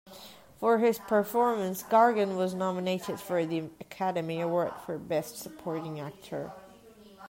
For his performance Gargan was nominated for the Academy Award for Best Supporting Actor.